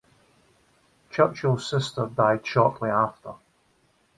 Churchill's sister died shortly after.